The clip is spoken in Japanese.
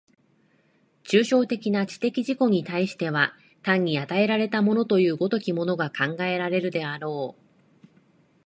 抽象的な知的自己に対しては単に与えられたものという如きものが考えられるであろう。